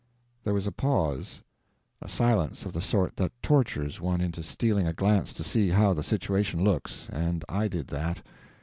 There was a pause—a silence of the sort that tortures one into stealing a glance to see how the situation looks, and I did that.